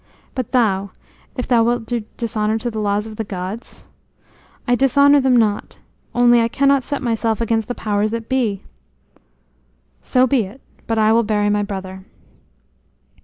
But thou, if thou wilt do dishonor to the laws of the gods?" "I dishonor them not. Only I cannot set myself against the powers that be." "So be it; but I will bury my brother."